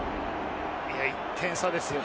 １点差ですよ。